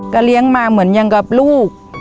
ก็เลี้ยงมาเหมือนอย่างกับลูก